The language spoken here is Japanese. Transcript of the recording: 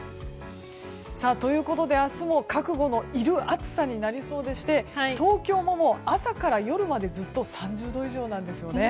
ということで明日も覚悟のいる暑さになりそうでして東京も朝から夜までずっと３０度以上なんですよね。